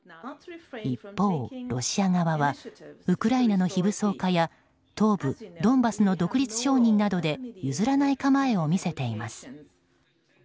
一方、ロシア側はウクライナの非武装化や東部ドンバスの独立承認などで譲らない構えを見せています。